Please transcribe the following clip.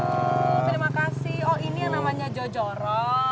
terima kasih oh ini yang namanya jojoro